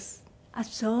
あっそう。